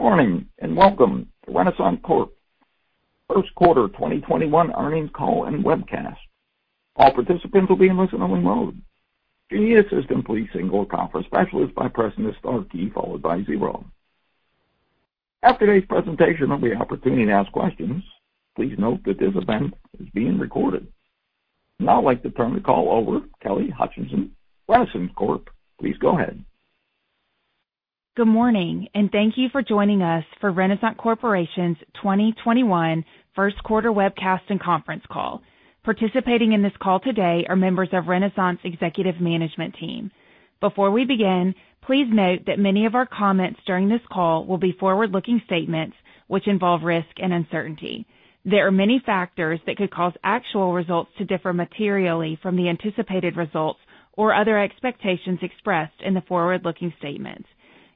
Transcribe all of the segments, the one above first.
Good morning, and welcome to Renasant Corporation. First Quarter 2021 Earnings Call and Webcast. I'd like to turn the call over to Kelly Hutcheson. Good morning. Thank you for joining us for Renasant Corporation's 2021 first quarter webcast and conference call. Participating in this call today are members of Renasant's executive management team. Before we begin, please note that many of our comments during this call will be forward-looking statements which involve risk and uncertainty. There are many factors that could cause actual results to differ materially from the anticipated results or other expectations expressed in the forward-looking statements.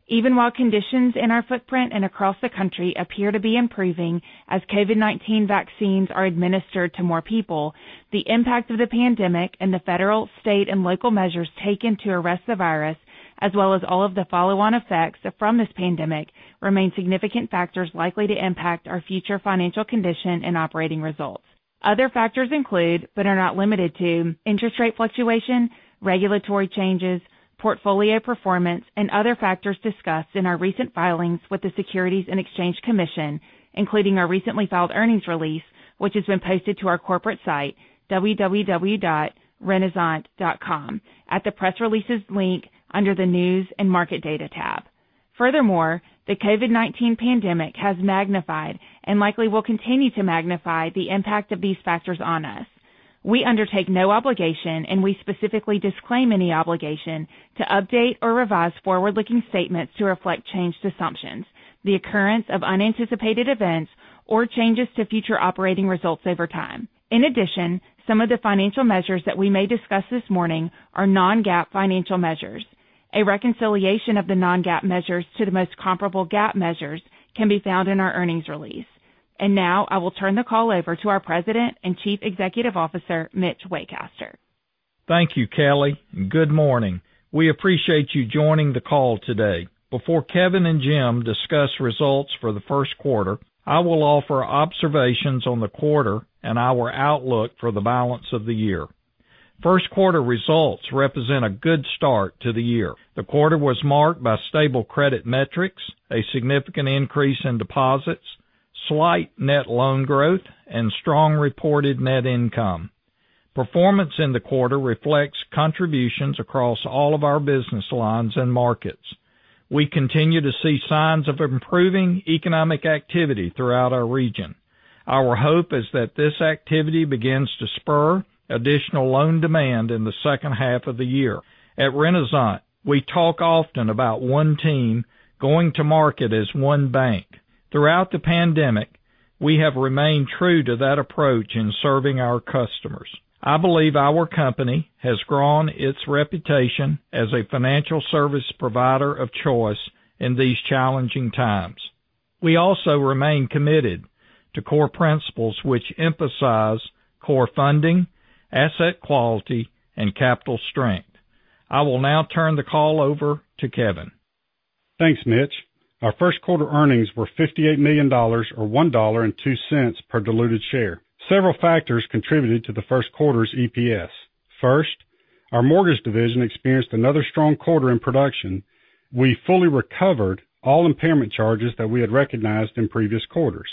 Even while conditions in our footprint and across the country appear to be improving as COVID-19 vaccines are administered to more people, the impact of the pandemic and the federal, state, and local measures taken to arrest the virus, as well as all of the follow-on effects from this pandemic, remain significant factors likely to impact our future financial condition and operating results. Other factors include, but are not limited to, interest rate fluctuation, regulatory changes, portfolio performance, and other factors discussed in our recent filings with the Securities and Exchange Commission, including our recently filed earnings release, which has been posted to our corporate site, www.renasant.com, at the Press Releases link under the News & Market Data tab. The COVID-19 pandemic has magnified, and likely will continue to magnify, the impact of these factors on us. We undertake no obligation, and we specifically disclaim any obligation, to update or revise forward-looking statements to reflect changed assumptions, the occurrence of unanticipated events, or changes to future operating results over time. Some of the financial measures that we may discuss this morning are non-GAAP financial measures. A reconciliation of the non-GAAP measures to the most comparable GAAP measures can be found in our earnings release. Now, I will turn the call over to our President and Chief Executive Officer, Mitch Waycaster. Thank you, Kelly, and good morning. We appreciate you joining the call today. Before Kevin and James discuss results for the first quarter, I will offer observations on the quarter and our outlook for the balance of the year. First quarter results represent a good start to the year. The quarter was marked by stable credit metrics, a significant increase in deposits, slight net loan growth, and strong reported net income. Performance in the quarter reflects contributions across all of our business lines and markets. We continue to see signs of improving economic activity throughout our region. Our hope is that this activity begins to spur additional loan demand in the second half of the year. At Renasant, we talk often about one team going to market as one bank. Throughout the pandemic, we have remained true to that approach in serving our customers. I believe our company has grown its reputation as a financial service provider of choice in these challenging times. We also remain committed to core principles which emphasize core funding, asset quality, and capital strength. I will now turn the call over to Kevin. Thanks, Mitch. Our first quarter earnings were $58 million, or $1.02 per diluted share. Several factors contributed to the first quarter's EPS. First, our mortgage division experienced another strong quarter in production. We fully recovered all impairment charges that we had recognized in previous quarters.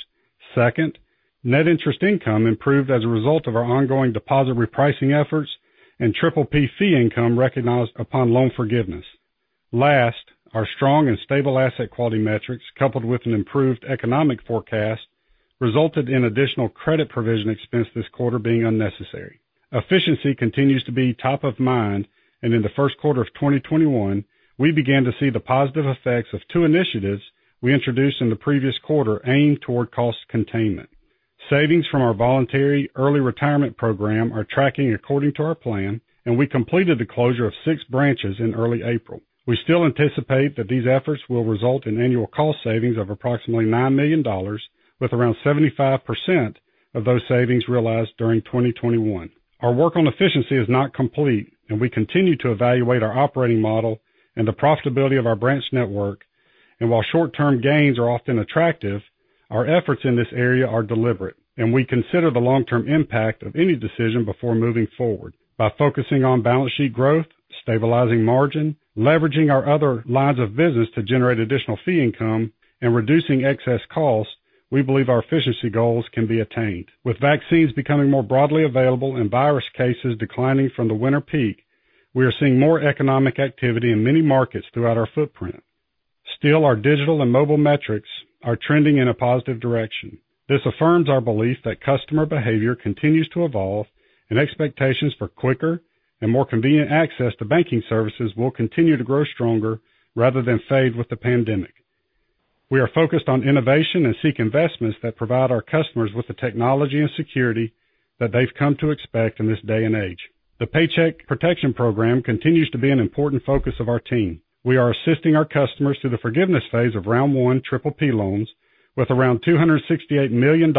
Second, net interest income improved as a result of our ongoing deposit repricing efforts and PPP fee income recognized upon loan forgiveness. Last, our strong and stable asset quality metrics, coupled with an improved economic forecast, resulted in additional credit provision expense this quarter being unnecessary. Efficiency continues to be top of mind, and in the first quarter of 2021, we began to see the positive effects of two initiatives we introduced in the previous quarter aimed toward cost containment. Savings from our voluntary early retirement program are tracking according to our plan, and we completed the closure of six branches in early April. We still anticipate that these efforts will result in annual cost savings of approximately $9 million, with around 75% of those savings realized during 2021. Our work on efficiency is not complete, and we continue to evaluate our operating model and the profitability of our branch network. While short-term gains are often attractive, our efforts in this area are deliberate, and we consider the long-term impact of any decision before moving forward. By focusing on balance sheet growth, stabilizing margin, leveraging our other lines of business to generate additional fee income, and reducing excess cost, we believe our efficiency goals can be attained. With vaccines becoming more broadly available and virus cases declining from the winter peak, we are seeing more economic activity in many markets throughout our footprint. Our digital and mobile metrics are trending in a positive direction. This affirms our belief that customer behavior continues to evolve and expectations for quicker and more convenient access to banking services will continue to grow stronger rather than fade with the pandemic. We are focused on innovation and seek investments that provide our customers with the technology and security that they've come to expect in this day and age. The Paycheck Protection Program continues to be an important focus of our team. We are assisting our customers through the forgiveness phase of round one PPP loans, with around $268 million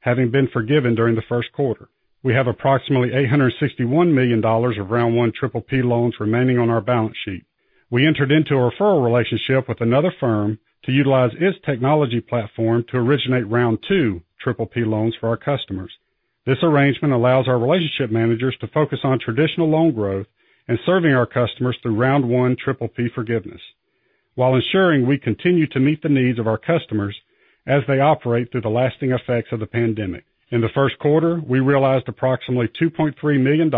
having been forgiven during the first quarter. We have approximately $861 million of round one PPP loans remaining on our balance sheet. We entered into a referral relationship with another firm to utilize its technology platform to originate round two PPP loans for our customers. This arrangement allows our relationship managers to focus on traditional loan growth and serving our customers through Round 1 PPP forgiveness, while ensuring we continue to meet the needs of our customers as they operate through the lasting effects of the pandemic. In the first quarter, we realized approximately $2.3 million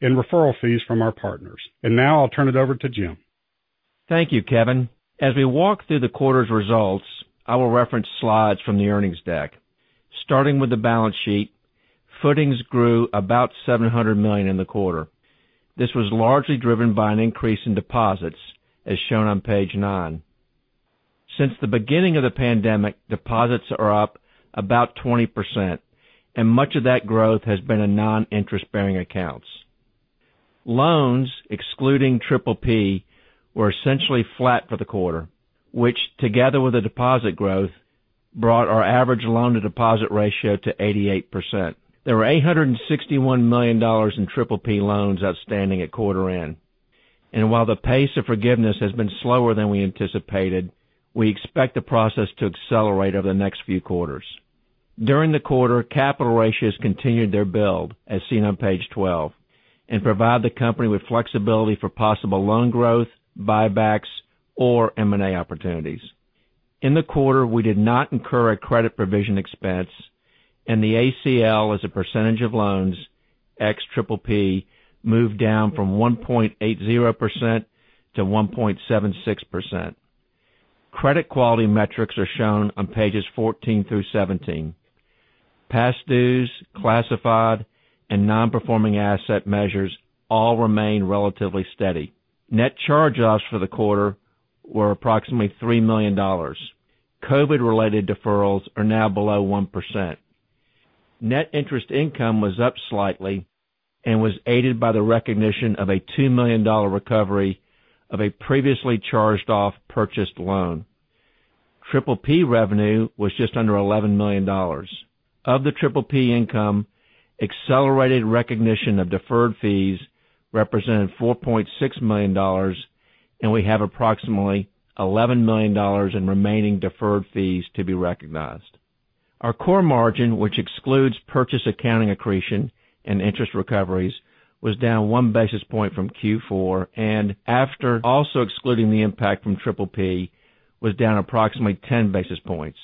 in referral fees from our partners. Now I'll turn it over to James. Thank you, Kevin. As we walk through the quarter's results, I will reference slides from the earnings deck. Starting with the balance sheet, footings grew about $700 million in the quarter. This was largely driven by an increase in deposits, as shown on page nine. Since the beginning of the pandemic, deposits are up about 20%, and much of that growth has been in non-interest-bearing accounts. Loans, excluding PPP, were essentially flat for the quarter, which together with a deposit growth, brought our average loan-to-deposit ratio to 88%. There were $861 million in PPP loans outstanding at quarter end. While the pace of forgiveness has been slower than we anticipated, we expect the process to accelerate over the next few quarters. During the quarter, capital ratios continued their build, as seen on page 12, and provide the company with flexibility for possible loan growth, buybacks, or M&A opportunities. In the quarter, we did not incur a credit provision expense, and the ACL, as a percentage of loans, ex-PPP, moved down from 1.80%-1.76%. Credit quality metrics are shown on pages 14 through 17. Past dues, classified, and non-performing asset measures all remain relatively steady. Net charge-offs for the quarter were approximately $3 million. COVID related deferrals are now below 1%. Net interest income was up slightly and was aided by the recognition of a $2 million recovery of a previously charged-off purchased loan. PPP revenue was just under $11 million. Of the PPP income, accelerated recognition of deferred fees represented $4.6 million, and we have approximately $11 million in remaining deferred fees to be recognized. Our core margin, which excludes purchase accounting accretion and interest recoveries, was down one basis point from Q4 and after also excluding the impact from PPP, was down approximately 10 basis points.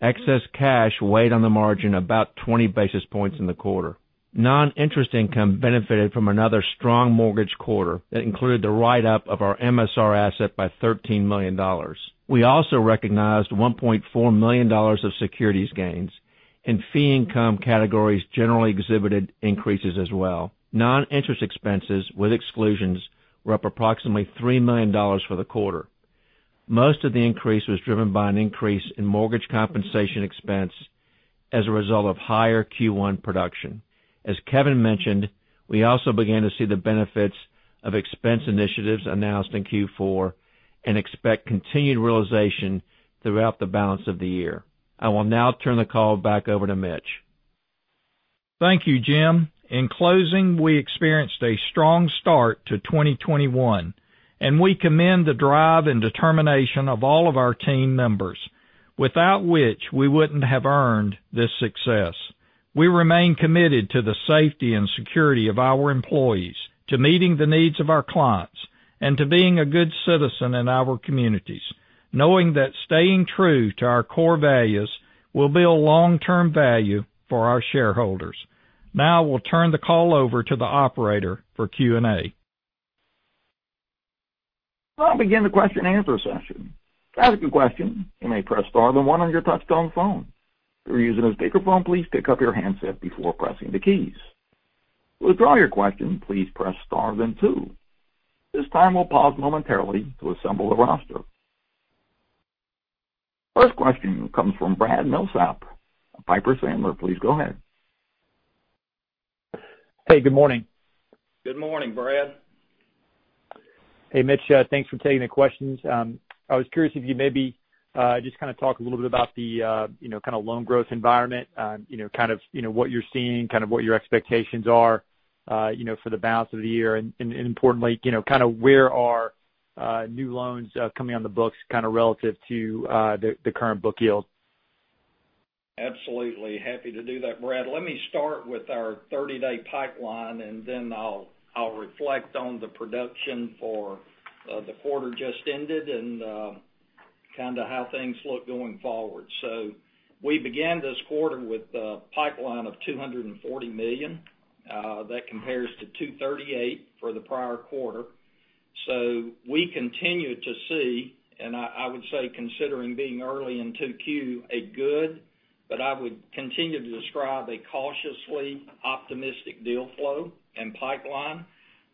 Excess cash weighed on the margin about 20 basis points in the quarter. Non-interest income benefited from another strong mortgage quarter that included the write-up of our MSR asset by $13 million. We also recognized $1.4 million of securities gains, and fee income categories generally exhibited increases as well. Non-interest expenses with exclusions were up approximately $3 million for the quarter. Most of the increase was driven by an increase in mortgage compensation expense as a result of higher Q1 production. As Kevin mentioned, we also began to see the benefits of expense initiatives announced in Q4 and expect continued realization throughout the balance of the year. I will now turn the call back over to Mitch. Thank you, James. In closing, we experienced a strong start to 2021, and we commend the drive and determination of all of our team members, without which we wouldn't have earned this success. We remain committed to the safety and security of our employees, to meeting the needs of our clients, and to being a good citizen in our communities, knowing that staying true to our core values will build long-term value for our shareholders. Now, we'll turn the call over to the operator for Q&A. I'll begin the question and answer session. To ask a question, you may press star, then one on your touchtone phone. If you're using a speakerphone, please pick up your handset before pressing the keys. To withdraw your question, please press star then two. This time, we'll pause momentarily to assemble the roster. First question comes from Brad Milsaps of Piper Sandler. Please go ahead. Hey, good morning. Good morning, Brad. Hey, Mitch. Thanks for taking the questions. I was curious if you maybe just kind of talk a little bit about the kind of loan growth environment, what you're seeing, what your expectations are for the balance of the year, and importantly, where are new loans coming on the books kind of relative to the current book yield? Absolutely. Happy to do that, Brad Milsaps. Let me start with our 30-day pipeline, and then I'll reflect on the production for the quarter just ended and kind of how things look going forward. We began this quarter with a pipeline of $240 million. That compares to $238 million for the prior quarter. We continue to see, and I would say considering being early in 2Q, a good, but I would continue to describe a cautiously optimistic deal flow and pipeline.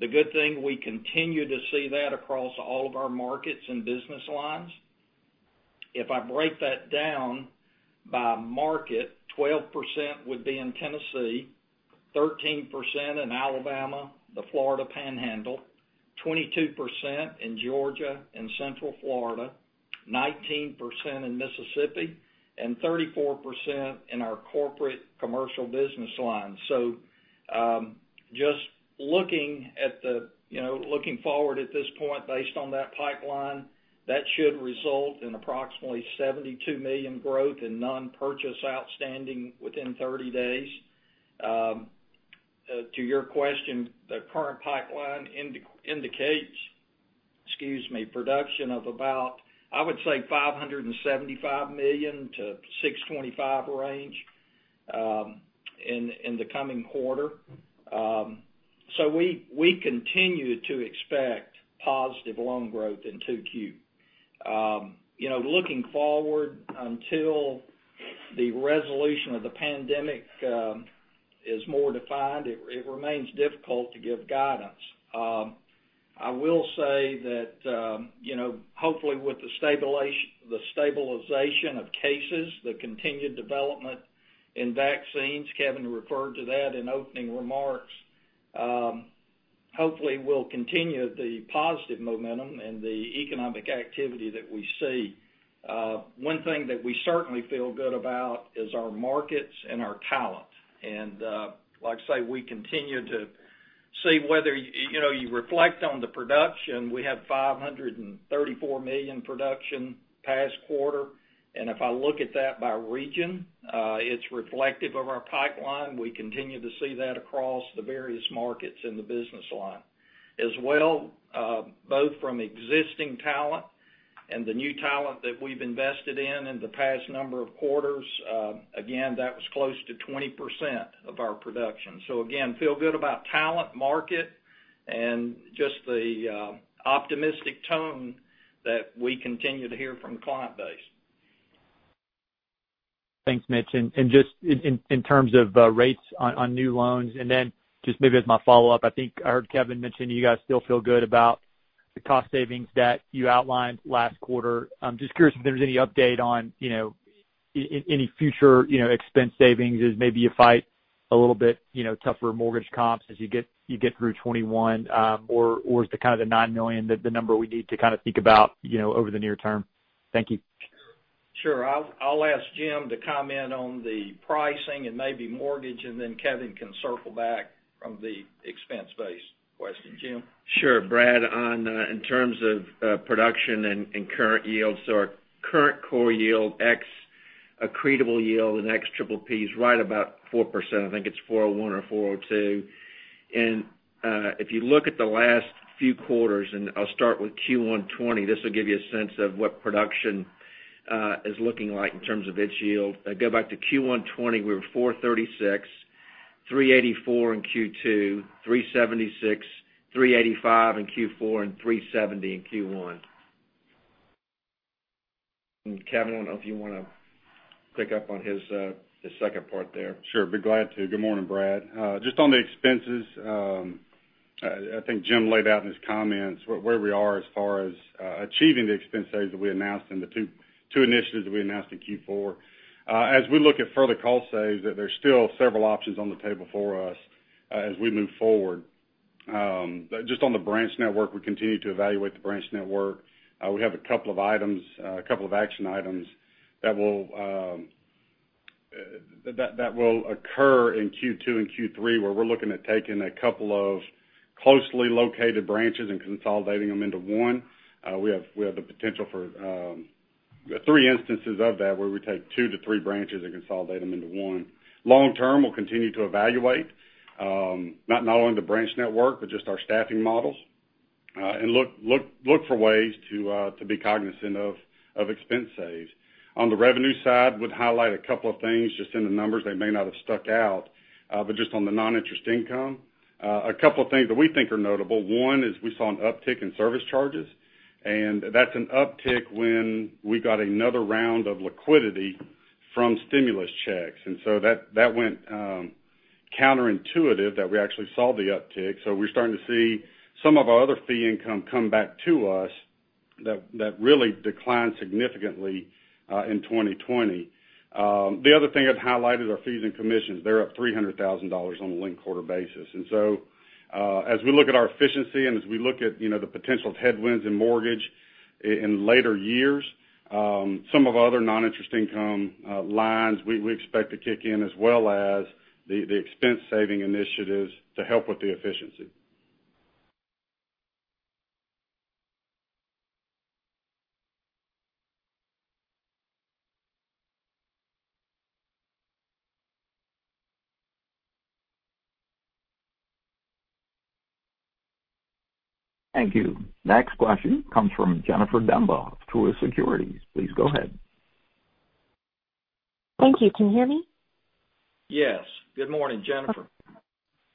The good thing, we continue to see that across all of our markets and business lines. If I break that down by market, 12% would be in Tennessee, 13% in Alabama, the Florida Panhandle, 22% in Georgia and Central Florida, 19% in Mississippi, and 34% in our corporate commercial business line. Just looking forward at this point, based on that pipeline, that should result in approximately $72 million growth in non-purchase outstanding within 30 days. To your question, the current pipeline indicates, excuse me, production of about, I would say $575 million-$625 million range in the coming quarter. We continue to expect positive loan growth in 2Q. Looking forward, until the resolution of the pandemic is more defined, it remains difficult to give guidance. I will say that, hopefully, with the stabilization of cases, the continued development in vaccines, Kevin referred to that in opening remarks, hopefully we'll continue the positive momentum and the economic activity that we see. One thing that we certainly feel good about is our markets and our talent. Like I say, we continue to see whether you reflect on the production, we have $534 million production past quarter. If I look at that by region, it's reflective of our pipeline. We continue to see that across the various markets in the business line. As well, both from existing talent and the new talent that we've invested in the past number of quarters. Again, that was close to 20% of our production. Again, feel good about talent, market, and just the optimistic tone that we continue to hear from the client base. Thanks, Mitch. Just in terms of rates on new loans, then just maybe as my follow-up, I think I heard Kevin mention you guys still feel good about the cost savings that you outlined last quarter. I'm just curious if there's any update on any future expense savings as maybe you fight a little bit tougher mortgage comps as you get through 2021, or is the kind of the $9 million the number we need to kind of think about over the near term? Thank you. Sure. I'll ask James to comment on the pricing and maybe mortgage, and then Kevin can circle back from the expense-based question. James? Sure, Brad Milsaps, in terms of production and current yields. Our current core yield, ex-accretable yield and ex PPP is right about 4%. I think it's 401 or 402. If you look at the last few quarters, I'll start with Q1 2020, this will give you a sense of what production is looking like in terms of its yield. Go back to Q1 2020, we were 436, 384 in Q2, 376, 385 in Q4, and 370 in Q1. Kevin Chapman, I don't know if you want to pick up on his second part there. Sure, I'd be glad to. Good morning, Brad. Just on the expenses, I think James laid out in his comments where we are as far as achieving the expense savings that we announced and the two initiatives that we announced in Q4. As we look at further cost saves, there's still several options on the table for us as we move forward. Just on the branch network, we continue to evaluate the branch network. We have a couple of action items that will occur in Q2 and Q3, where we're looking at taking a couple of closely located branches and consolidating them into one. We have the potential for three instances of that, where we take two to three branches and consolidate them into one. Long term, we'll continue to evaluate, not only the branch network, but just our staffing models, and look for ways to be cognizant of expense saves. On the revenue side, would highlight a couple of things just in the numbers. They may not have stuck out. Just on the non-interest income, a couple of things that we think are notable. One is we saw an uptick in service charges, and that's an uptick when we got another round of liquidity from stimulus checks. That went counterintuitive that we actually saw the uptick. We're starting to see some of our other fee income come back to us that really declined significantly in 2020. The other thing I'd highlight is our fees and commissions. They're up $300,000 on a linked quarter basis. As we look at our efficiency and as we look at the potential headwinds in mortgage in later years, some of our other non-interest income lines, we expect to kick in as well as the expense saving initiatives to help with the efficiency. Thank you. Next question comes from Jennifer Demba of Truist Securities. Please go ahead. Thank you. Can you hear me? Yes. Good morning, Jennifer.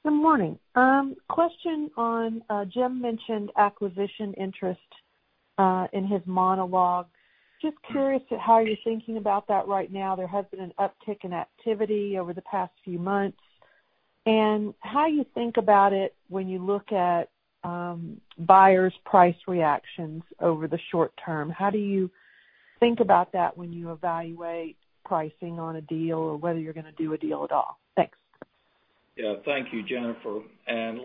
Good morning. Question on, James mentioned acquisition interest in his monologue. Just curious how you're thinking about that right now. There has been an uptick in activity over the past few months. How you think about it when you look at buyers' price reactions over the short term. How do you think about that when you evaluate pricing on a deal or whether you're going to do a deal at all? Thanks. Yeah. Thank you, Jennifer.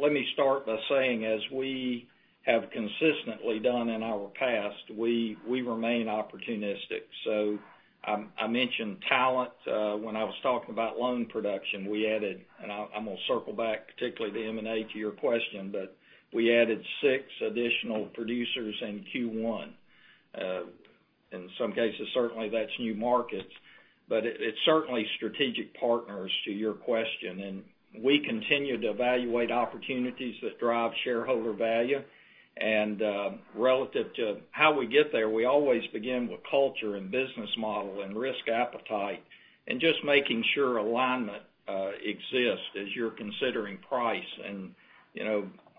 Let me start by saying, as we have consistently done in our past, we remain opportunistic. I mentioned talent when I was talking about loan production. We added, and I'm going to circle back particularly to M&A to your question, but we added six additional producers in Q1. In some cases, certainly that's new markets, but it's certainly strategic partners to your question. We continue to evaluate opportunities that drive shareholder value. Relative to how we get there, we always begin with culture and business model and risk appetite and just making sure alignment exists as you're considering price and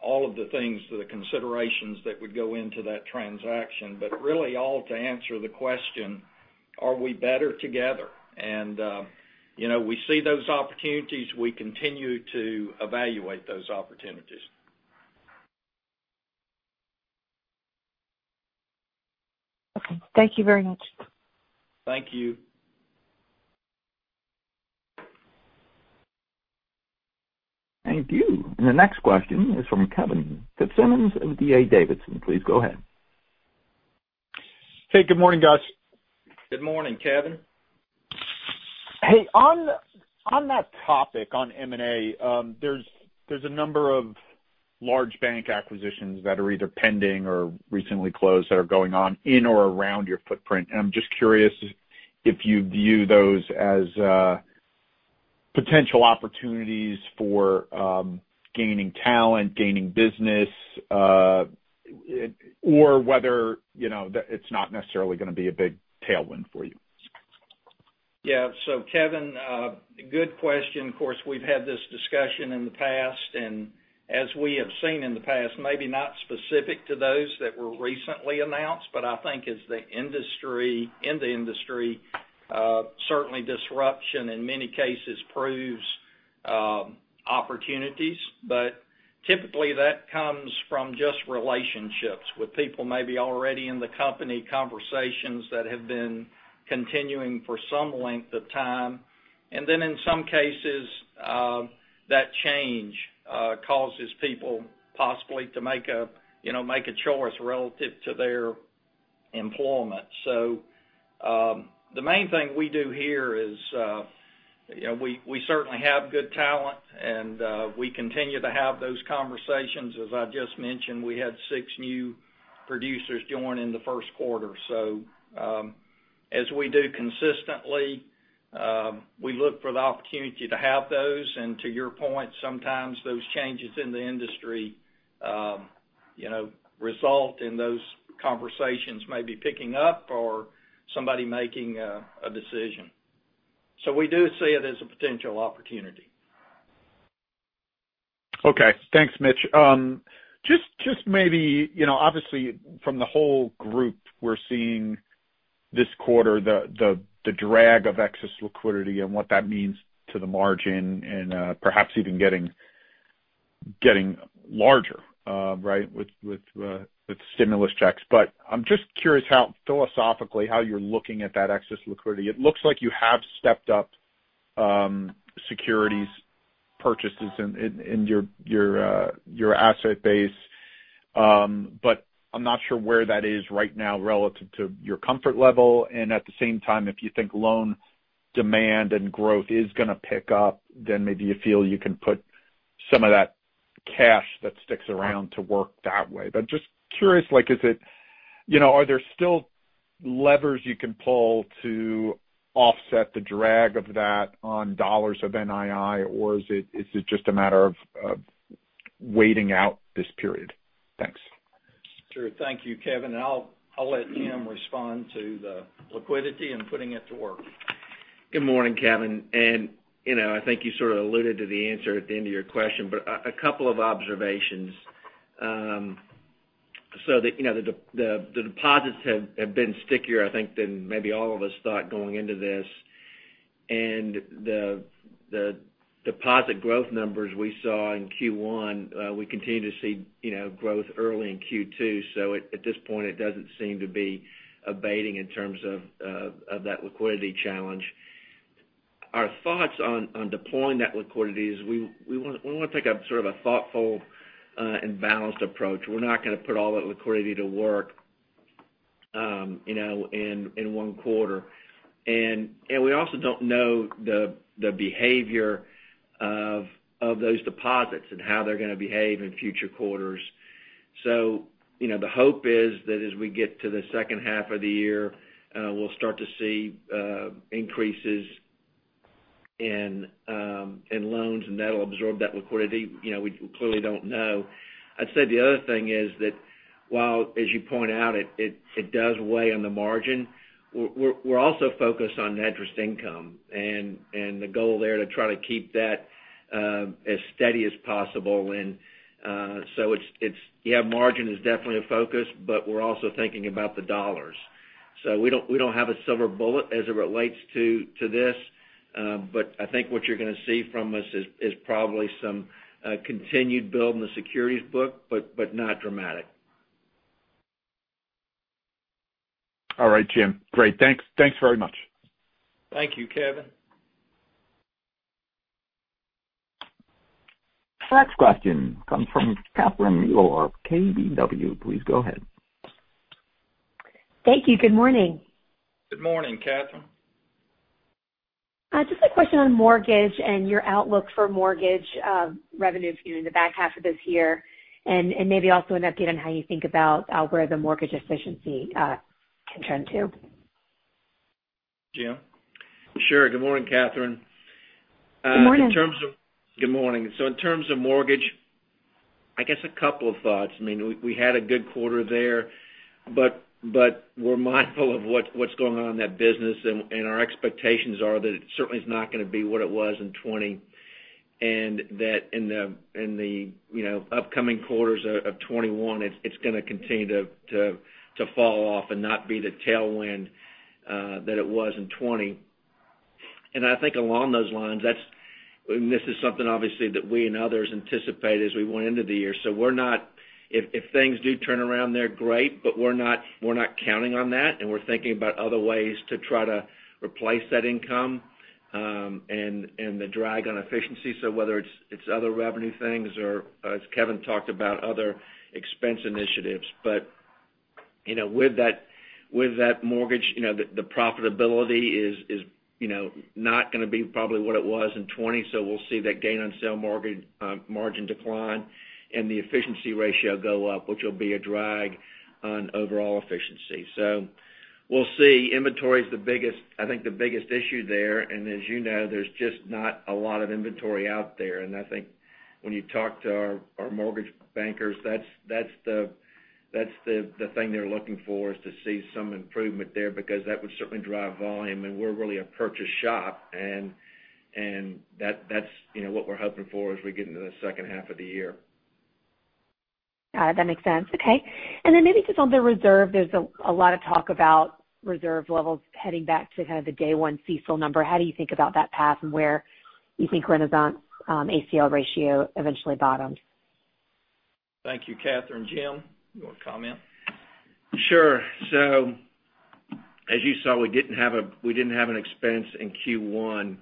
all of the things to the considerations that would go into that transaction. Really all to answer the question, are we better together? We see those opportunities. We continue to evaluate those opportunities. Okay. Thank you very much. Thank you. Thank you. The next question is from Kevin Fitzsimmons of D.A. Davidson. Please go ahead. Hey, good morning, guys. Good morning, Kevin. Hey, on that topic on M&A, there's a number of large bank acquisitions that are either pending or recently closed that are going on in or around your footprint. I'm just curious if you view those as potential opportunities for gaining talent, gaining business, or whether it's not necessarily going to be a big tailwind for you. Yeah. Kevin, good question. Of course, we've had this discussion in the past, and as we have seen in the past, maybe not specific to those that were recently announced, but I think as in the industry, certainly disruption in many cases proves opportunities. Typically that comes from just relationships with people maybe already in the company, conversations that have been continuing for some length of time. In some cases, that change causes people possibly to make a choice relative to their employment. The main thing we do here is, we certainly have good talent and we continue to have those conversations. As I just mentioned, we had six new producers join in the first quarter. As we do consistently, we look for the opportunity to have those. To your point, sometimes those changes in the industry result in those conversations maybe picking up or somebody making a decision. We do see it as a potential opportunity. Okay. Thanks, Mitch. Obviously from the whole group, we're seeing this quarter the drag of excess liquidity and what that means to the margin and perhaps even getting larger with stimulus checks. I'm just curious how philosophically you're looking at that excess liquidity. It looks like you have stepped up securities purchases in your asset base, but I'm not sure where that is right now relative to your comfort level. At the same time, if you think loan demand and growth is going to pick up, then maybe you feel you can put some of that cash that sticks around to work that way. Just curious, are there still levers you can pull to offset the drag of that on dollars of NII, or is it just a matter of waiting out this period? Thanks. Sure. Thank you, Kevin. I'll let James respond to the liquidity and putting it to work. Good morning, Kevin. I think you sort of alluded to the answer at the end of your question, a couple of observations. The deposits have been stickier, I think, than maybe all of us thought going into this. The deposit growth numbers we saw in Q1, we continue to see growth early in Q2. At this point, it doesn't seem to be abating in terms of that liquidity challenge. Our thoughts on deploying that liquidity is we want to take a sort of a thoughtful and balanced approach. We're not going to put all that liquidity to work in one quarter. We also don't know the behavior of those deposits and how they're going to behave in future quarters. The hope is that as we get to the second half of the year, we'll start to see increases in loans, and that'll absorb that liquidity. We clearly don't know. I'd say the other thing is that while, as you point out, it does weigh on the margin, we're also focused on net interest income and the goal there to try to keep that as steady as possible. Yeah, margin is definitely a focus, but we're also thinking about the dollars. We don't have a silver bullet as it relates to this. I think what you're going to see from us is probably some continued build in the securities book, but not dramatic. All right, James. Great. Thanks very much. Thank you, Kevin. The next question comes from Catherine Mealor of KBW. Please go ahead. Thank you. Good morning. Good morning, Catherine. Just a question on mortgage and your outlook for mortgage revenues in the back half of this year, and maybe also an update on how you think about where the mortgage efficiency can trend too. James? Sure. Good morning, Catherine. Good morning. Good morning. In terms of mortgage, I guess a couple of thoughts. We had a good quarter there, but we're mindful of what's going on in that business, and our expectations are that it certainly is not going to be what it was in 2020. That in the upcoming quarters of 2021, it's going to continue to fall off and not be the tailwind that it was in 2020. I think along those lines, and this is something obviously that we and others anticipate as we went into the year. If things do turn around there, great, but we're not counting on that, and we're thinking about other ways to try to replace that income, and the drag on efficiency. Whether it's other revenue things or, as Kevin Chapman talked about, other expense initiatives. With that mortgage, the profitability is not going to be probably what it was in 2020. We'll see that gain on sale margin decline and the efficiency ratio go up, which will be a drag on overall efficiency. We'll see. Inventory is, I think, the biggest issue there. As you know, there's just not a lot of inventory out there. I think when you talk to our mortgage bankers, that's the thing they're looking for is to see some improvement there, because that would certainly drive volume, and we're really a purchase shop. That's what we're hoping for as we get into the second half of the year. Got it. That makes sense. Okay. Maybe just on the reserve, there's a lot of talk about reserve levels heading back to kind of the day 1 CECL number. How do you think about that path and where you think Renasant ACL ratio eventually bottoms? Thank you, Catherine. James, you want to comment? Sure. As you saw, we didn't have an expense in Q1,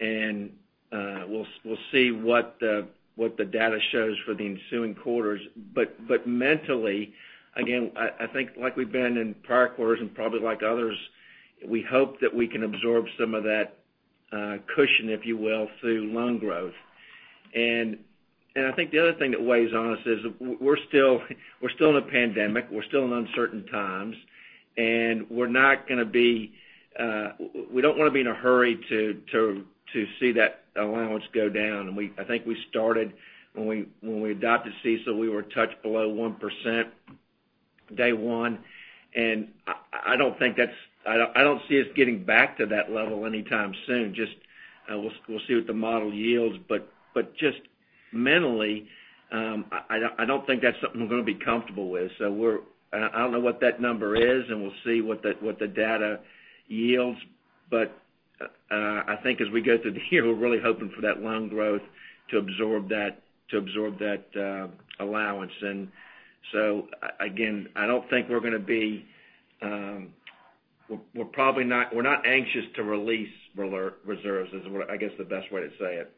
and we'll see what the data shows for the ensuing quarters. Mentally, again, I think like we've been in prior quarters and probably like others, we hope that we can absorb some of that cushion, if you will, through loan growth. I think the other thing that weighs on us is we're still in a pandemic. We're still in uncertain times, and we don't want to be in a hurry to see that allowance go down. I think we started when we adopted CECL, we were a touch below 1% day one, and I don't see us getting back to that level anytime soon. We'll see what the model yields. Just mentally, I don't think that's something we're going to be comfortable with. I don't know what that number is, and we'll see what the data yields. I think as we go through the year, we're really hoping for that loan growth to absorb that allowance. Again, I don't think we're not anxious to release reserves, is I guess the best way to say it.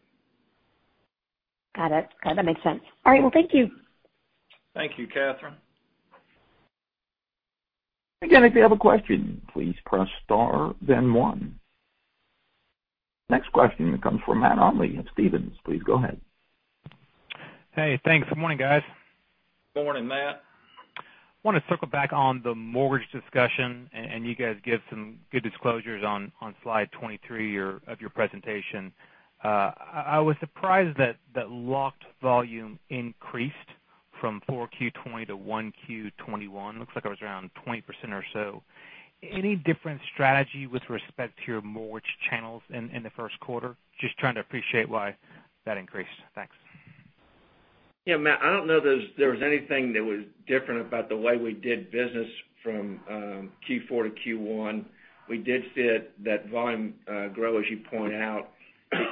Got it. That makes sense. All right. Well, thank you. Thank you, Catherine. Again, if you have a question, please press star then one. Next question comes from Matt Olney of Stephens. Please go ahead. Hey, thanks. Good morning, guys. Good morning, Matt. Want to circle back on the mortgage discussion, you guys give some good disclosures on Slide 23 of your presentation. I was surprised that locked volume increased from Q4 2020 to Q1 2021. Looks like it was around 20% or so. Any different strategy with respect to your mortgage channels in the first quarter? Just trying to appreciate why that increased. Thanks. Yeah, Matt, I don't know there was anything that was different about the way we did business from Q4 to Q1. We did see that volume grow, as you point out.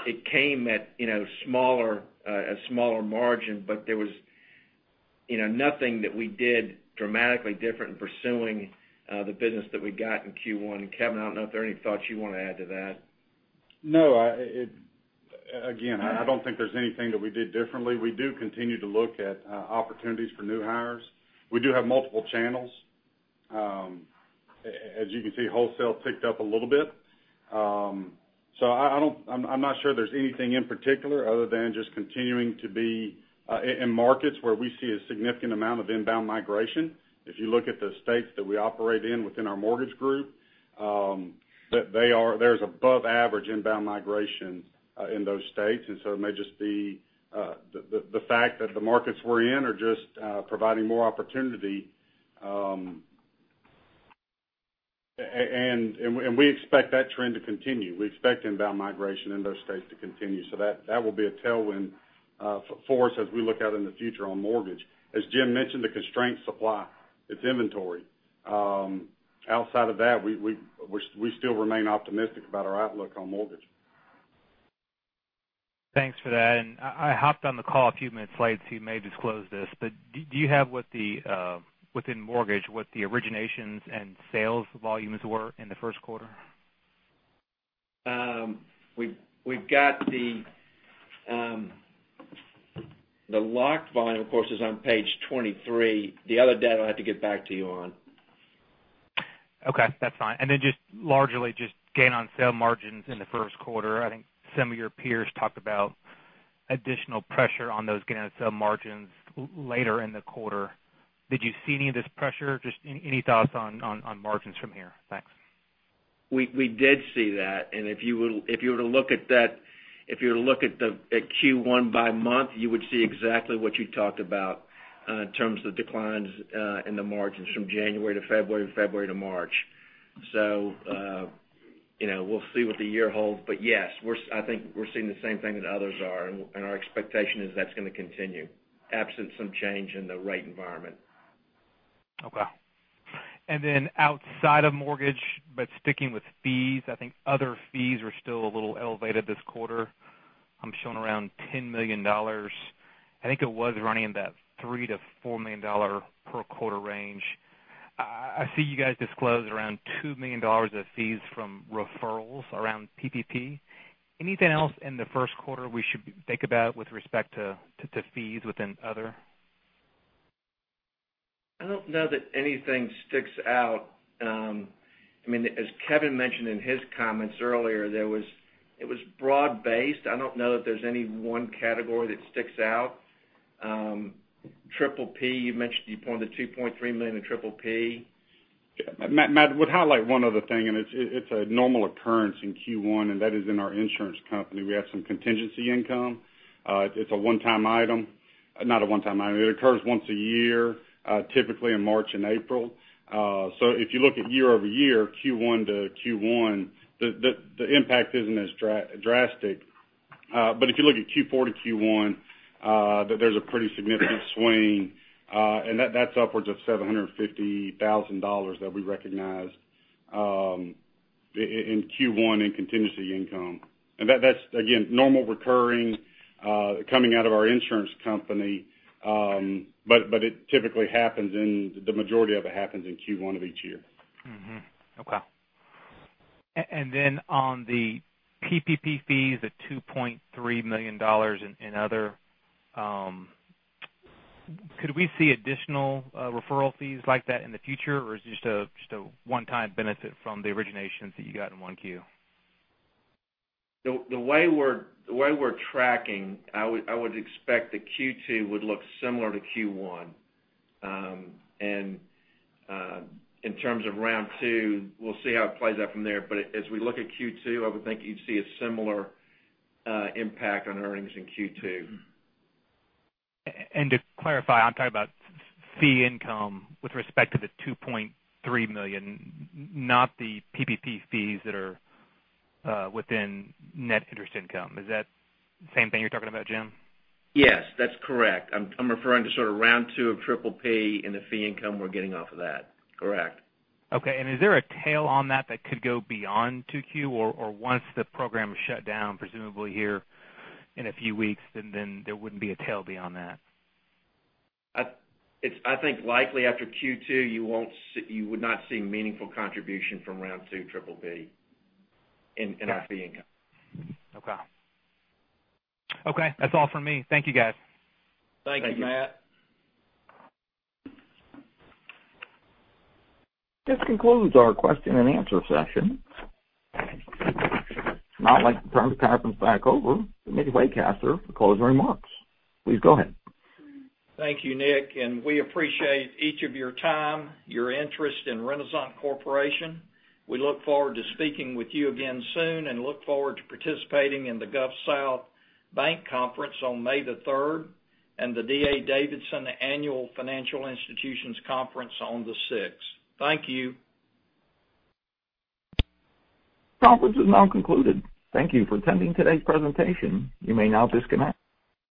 It came at a smaller margin. There was nothing that we did dramatically different in pursuing the business that we got in Q1. Kevin, I don't know if there are any thoughts you want to add to that. No. Again, I don't think there's anything that we did differently. We do continue to look at opportunities for new hires. We do have multiple channels. As you can see, wholesale ticked up a little bit. I'm not sure there's anything in particular other than just continuing to be in markets where we see a significant amount of inbound migration. If you look at the states that we operate in within our mortgage group, there's above average inbound migration in those states. It may just be the fact that the markets we're in are just providing more opportunity. We expect that trend to continue. We expect inbound migration in those states to continue. That will be a tailwind for us as we look out in the future on mortgage. As James mentioned, the constraint supply, it's inventory. Outside of that, we still remain optimistic about our outlook on mortgage. Thanks for that. I hopped on the call a few minutes late, so you may have disclosed this, but do you have within mortgage what the originations and sales volumes were in the first quarter? We've got the locked volume, of course, is on page 23. The other data I'll have to get back to you on. Okay, that's fine. Just largely, just gain on sale margins in the first quarter. I think some of your peers talked about additional pressure on those gain on sale margins later in the quarter. Did you see any of this pressure? Just any thoughts on margins from here? Thanks. We did see that, and if you were to look at Q1 by month, you would see exactly what you talked about in terms of declines in the margins from January to February to March. We'll see what the year holds. Yes, I think we're seeing the same thing that others are, and our expectation is that's going to continue absent some change in the rate environment. Okay. Outside of mortgage, but sticking with fees, I think other fees are still a little elevated this quarter. I'm showing around $10 million. I think it was running in that $3 million to $4 million per quarter range. I see you guys disclose around $2 million of fees from referrals around PPP. Anything else in the first quarter we should think about with respect to fees within other? I don't know that anything sticks out. As Kevin mentioned in his comments earlier, it was broad-based. I don't know that there's any one category that sticks out. PPP, you pointed to $2.3 million in PPP. Matt, we'll highlight one other thing. It's a normal occurrence in Q1, that is in our insurance company. We have some contingency income. It's a one-time item. Not a one-time item. It occurs once a year, typically in March and April. If you look at year-over-year, Q1 to Q1, the impact isn't as drastic. If you look at Q4 to Q1, there's a pretty significant swing, and that's upwards of $750,000 that we recognized in Q1 in contingency income. That's, again, normal recurring, coming out of our insurance company. The majority of it happens in Q1 of each year. Mm-hmm. Okay. On the PPP fees at $2.3 million in other, could we see additional referral fees like that in the future, or is it just a one-time benefit from the originations that you got in one Q? The way we're tracking, I would expect that Q2 would look similar to Q1. In terms of round two, we'll see how it plays out from there. As we look at Q2, I would think you'd see a similar impact on earnings in Q2. To clarify, I'm talking about fee income with respect to the $2.3 million, not the PPP fees that are within net interest income. Is that the same thing you're talking about, James? Yes, that's correct. I'm referring to sort of Round 2 of PPP and the fee income we're getting off of that. Correct. Okay, is there a tail on that that could go beyond 2Q, or once the program is shut down, presumably here in a few weeks, then there wouldn't be a tail beyond that? I think likely after Q2, you would not see meaningful contribution from round 2 PPP in our fee income. Okay. Okay, that's all from me. Thank you guys. Thank you, Matt. Thank you. This concludes our question and answer session. I'd now like to turn the conference back over to Mitch Waycaster for closing remarks. Please go ahead. Thank you, Nick, and we appreciate each of your time, your interest in Renasant Corporation. We look forward to speaking with you again soon and look forward to participating in the Gulf South Bank Conference on May the third and the D.A. Davidson Annual Financial Institutions Conference on the sixth. Thank you. Conference is now concluded. Thank you for attending today's presentation. You may now disconnect.